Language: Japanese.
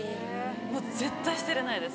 もう絶対捨てれないです。